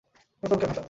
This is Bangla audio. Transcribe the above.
মোটা অংকের ভাতা।